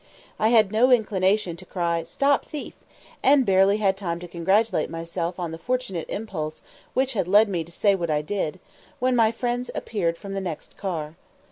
I had no inclination to cry "Stop thief!" and had barely time to congratulate myself on the fortunate impulse which had led me to say what I did, when my friends appeared from the next car.